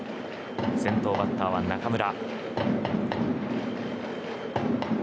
先頭バッターは中村。